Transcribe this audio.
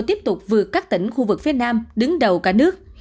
tiếp tục vượt các tỉnh khu vực phía nam đứng đầu cả nước